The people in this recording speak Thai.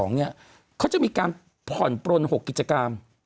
เขาจะมีการผ่อนปลน๖กิจกรรม